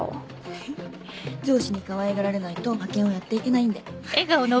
フフ上司にかわいがられないと派遣はやっていけないんで。